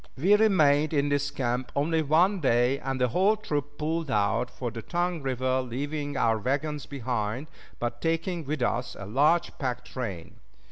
We remained in this camp only one day, and the whole troop pulled out for the Tongue River, leaving our wagons behind, but taking with us a large pack train.